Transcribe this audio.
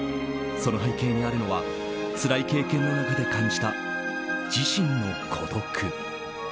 その背景にあるのはつらい経験の中で感じた自身の孤独。